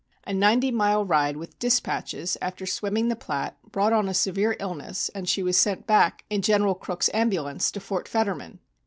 A ninety mile ride with dispatches after swimming the Platte brought on a severe illness, and she was sent back in General Crook's ambulance to Fort Fetterman.